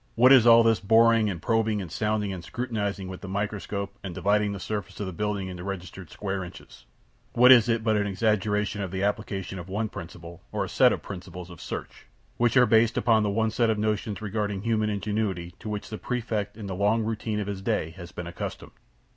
What is all this boring, and probing, and sounding, and scrutinizing with the microscope, and dividing the surface of the building into registered square inches what is it all but an exaggeration of the application of the one principle or set of principles of search, which are based upon the one set of notions retarding human ingenuity, to which the Prefect, in the long routine of his duty, has been accustomed?